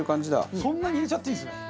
そんなに入れちゃっていいんですね。